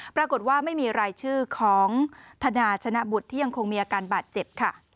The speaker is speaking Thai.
ปรากฏว่าไม่มีรายชื่อของธนาชนะบุตรที่ยังคงมีอาการบาดเจ็บค่ะ